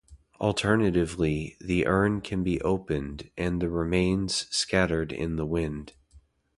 Alternatively, the urn can be opened, and the remains scattered in the wind.